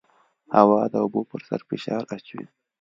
هوا د اوبو پر سر فشار اچوي.